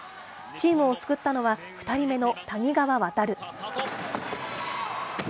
チームを救ったのは、２人目の谷川航。